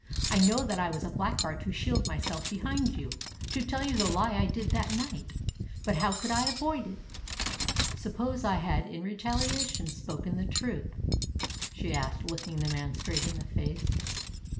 "I know that I was a blackguard to shield myself behind you to tell the lie I did that night. But how could I avoid it?" "Suppose I had, in retaliation, spoken the truth?" she asked, looking the man straight in the face.